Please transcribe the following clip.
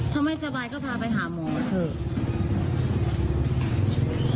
ถ้าไม่สบายก็พาไปหาหมอเถอะ